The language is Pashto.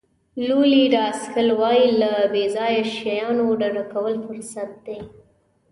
لولي ډاسکل وایي له بې ځایه شیانو ډډه کول فرصت دی.